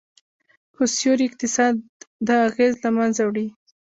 خو سیوري اقتصاد دا اغیز له منځه وړي